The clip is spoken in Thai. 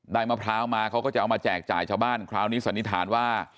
มะพร้าวมาเขาก็จะเอามาแจกจ่ายชาวบ้านคราวนี้สันนิษฐานว่า